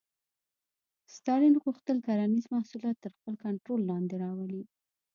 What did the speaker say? ستالین غوښتل کرنیز محصولات تر خپل کنټرول لاندې راولي.